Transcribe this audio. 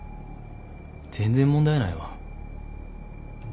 全然問題ないわ。